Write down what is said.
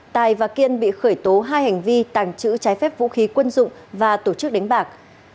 tài và kiên bị khởi tố hai hành vi tàng trữ trái phép vũ khí quân dụng và tổ chức đánh bạc